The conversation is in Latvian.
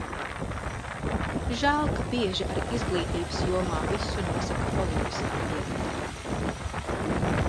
Žēl, ka bieži arī izglītības jomā visu nosaka politiskā piederība.